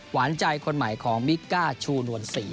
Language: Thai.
หวานใจคนใหม่ของมิกก้าชูนวลศรี